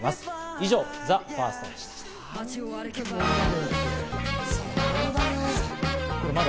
以上、ＴＨＥＦＩＲＳＴでした。